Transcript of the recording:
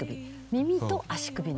耳と足首の。